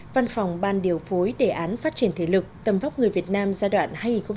văn phòng ban điều phối đề án phát triển thể lực tầm vóc người việt nam giai đoạn hai nghìn một mươi một hai nghìn ba mươi